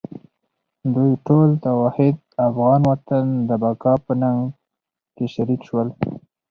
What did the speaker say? دوی ټول د واحد افغان وطن د بقا په ننګ کې شریک شول.